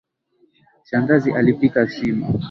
Shangazi alipika sima.